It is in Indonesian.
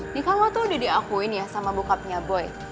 ini kan lo tuh udah diakuin ya sama bokapnya boy